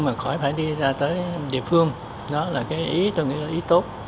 mà khỏi phải đi ra tới địa phương đó là cái ý tôi nghĩ là ý tốt